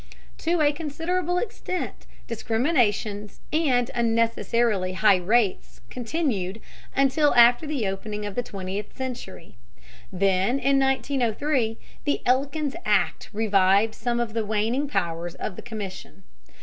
To a considerable extent discriminations and unnecessarily high rates continued until after the opening of the twentieth century. Then in 1903 the Elkins Act revived some of the waning powers of the Commission.